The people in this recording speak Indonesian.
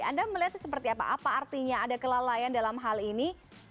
anda melihatnya seperti apa apa artinya ada kelalaian dalam hal ini